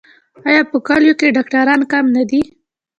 آیا په کلیو کې ډاکټران کم نه دي؟